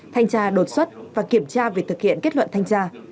thanh tra đột xuất và kiểm tra việc thực hiện kết luận thanh tra